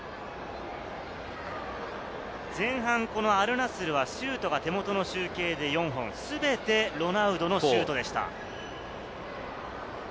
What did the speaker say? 前半、アルナスルはシュートが手元の集計で４本、全てロナウドのシュートでした。